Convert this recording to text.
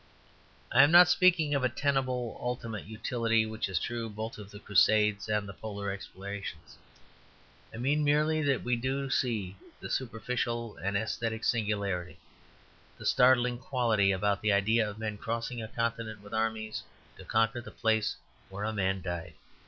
I am not speaking of a tenable ultimate utility which is true both of the Crusades and the polar explorations. I mean merely that we do see the superficial and aesthetic singularity, the startling quality, about the idea of men crossing a continent with armies to conquer the place where a man died.